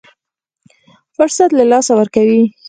فرصت له لاسه ورکوي.